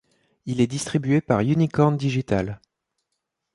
Il est distribué par Unicorn digital.